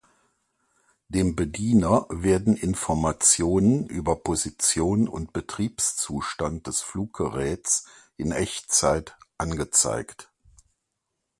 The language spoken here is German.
Dem Bediener werden Informationen über Position und Betriebszustand des Fluggeräts in Echtzeit angezeigt.